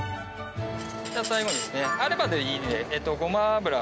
最後にですねあればでいいんでごま油ですね。